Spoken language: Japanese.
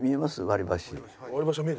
割り箸。